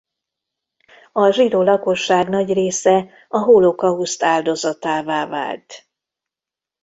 A zsidó lakosság nagy része a holokauszt áldozatává vált.